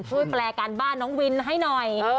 แปลการบ้านน้องวินให้หน่อย